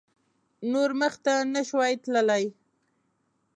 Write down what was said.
نور مخته نه شوای تللای.